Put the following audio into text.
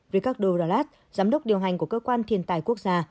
ricardo rallat giám đốc điều hành của cơ quan thiền tài quốc gia